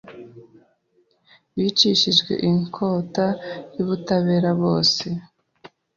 Bicishijwe inkota yUbutabera bose